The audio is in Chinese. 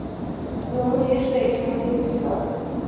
溶于水呈无色。